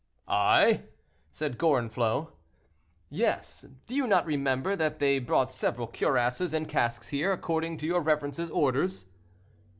"I!" said Gorenflot. "Yes; do you not remember that they brought several cuirasses and casques here, according to your reverence's orders?"